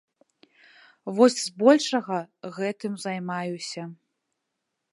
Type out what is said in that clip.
Вось збольшага гэтым займаюся.